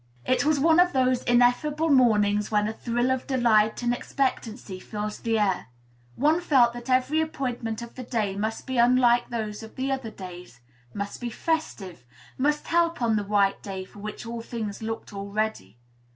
It was one of those ineffable mornings, when a thrill of delight and expectancy fills the air; one felt that every appointment of the day must be unlike those of other days, must be festive, must help on the "white day" for which all things looked ready.